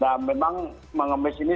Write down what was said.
nah memang mengemis ini